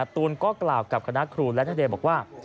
ตูนก็กล่าวกับคณะครูและนเดย์บอกว่า